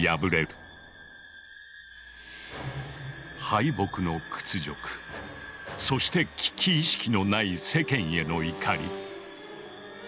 敗北の屈辱そして危機意識のない世間への怒り。